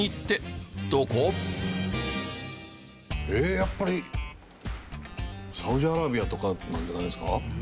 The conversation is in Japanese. やっぱりサウジアラビアとかなんじゃないんですか？